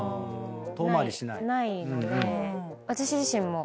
私自身も。